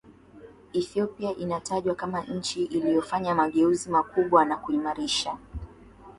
Ethopia inatajwa kama nchi iliyofanya mageuzi makubwa na kuimarisha